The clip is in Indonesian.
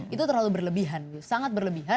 itu terlalu berlebihan sangat berlebihan